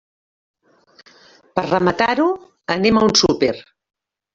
Per rematar-ho, anem a un súper.